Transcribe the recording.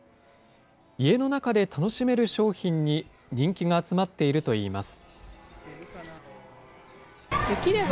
家の中で楽しめる商品に人気が集まっているといいます。